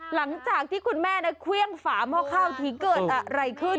หลังจากที่คุณแม่เครื่องฝาหม้อข้าวทีเกิดอะไรขึ้น